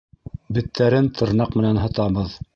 Беттәрен тырнаҡ менән һытабыҙ.